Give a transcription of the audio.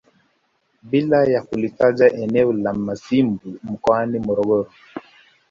Bila ya kulitaja eneo la Mazimbu mkoani Morogoro